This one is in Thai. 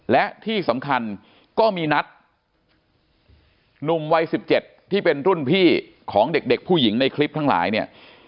และที่สำคัญก็มีนัดหนุ่มวัย๑๗ที่เป็นรุ่นพี่ของเด็กผู้หญิงในคลิปทั้งหลายเนี่ย